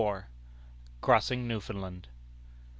CROSSING NEWFOUNDLAND.